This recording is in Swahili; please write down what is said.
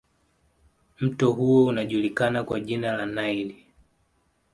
Mto huo unajulikana kwa jina la Nile